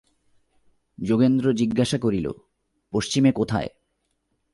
যোগেন্দ্র জিজ্ঞাসা করিল, পশ্চিমে কোথায়?